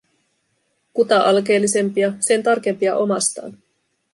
Kuta alkeellisempia, sen tarkempia omastaan.